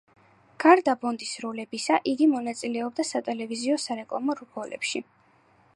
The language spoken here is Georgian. გარდა ბონდის როლებისა, იგი მონაწილეობდა სატელევიზიო სარეკლამო რგოლებში.